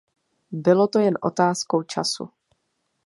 Bylo to jen otázkou času.